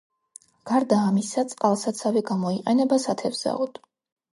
გარდა ამისა წყალსაცავი გამოიყენება სათევზაოდ.